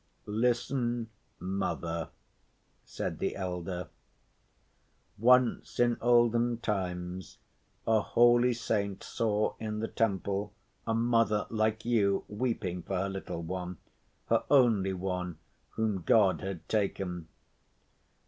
"Listen, mother," said the elder. "Once in olden times a holy saint saw in the Temple a mother like you weeping for her little one, her only one, whom God had taken.